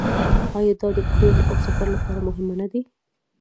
آیا دا د کرنې او سفر لپاره مهم نه دی؟